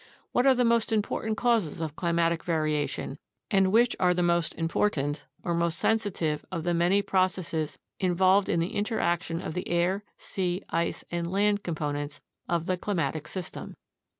What are the most important causes of climatic variation, and which are the most important or most sensitive of the many processes involved in the interaction of the air, sea, ice, and land components of the climatic system?